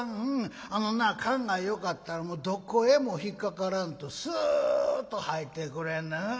あのな燗がよかったらどこへも引っ掛からんとすーっと入ってくれんねん。